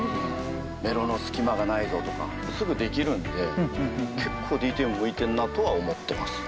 メロの隙間がないぞとかすぐできるんで結構ＤＴＭ向いてんなとは思ってます。